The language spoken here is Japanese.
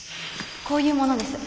こういう者です。